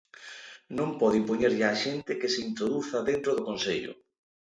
Non pode impoñerlle á xente que se introduza dentro do consello.